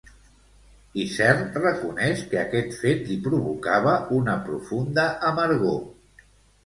Isern reconeix que aquest fet li provocava una profunda amargor.